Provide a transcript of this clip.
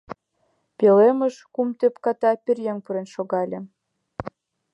Пӧлемыш кум тӧпката пӧръеҥ пурен шогале.